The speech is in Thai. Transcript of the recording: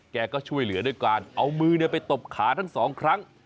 แกก็ช่วยเหลือด้วยการเอามือไปตบขาทั้งสองครั้ง